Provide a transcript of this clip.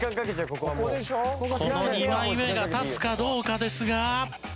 この２枚目が立つかどうかですが。